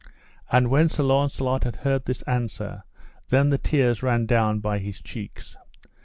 And when Sir Launcelot had heard this answer, then the tears ran down by his cheeks.